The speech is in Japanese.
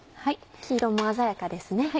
黄色も鮮やかですね。